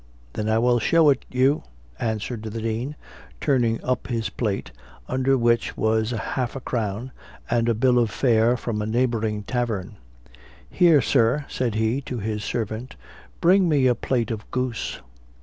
"Then I will show it you," answered the Dean, turning up his plate, under which was half a crown and a bill of fare from a neighboring tavern. "Here, sir," said he, to his servant, "bring me a plate of goose."